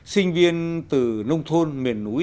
sinh viên từ nông thôn miền núi